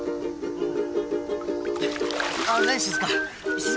うん。